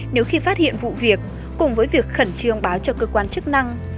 nếu khi phát hiện vụ việc cùng với việc khẩn trương báo cho cơ quan chức năng